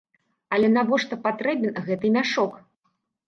Але навошта патрэбен гэты мяшок?